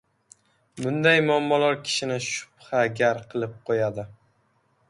Bunday muammolar kishini shubhagar qilib qo‘yadi.